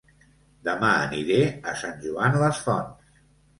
Dema aniré a Sant Joan les Fonts